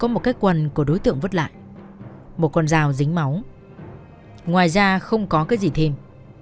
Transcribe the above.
có một cái quần của đối tượng vứt lại một con dao dính máu ngoài ra không có cái gì thêm